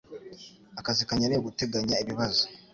Akazi kanjye ni uguteganya ibibazo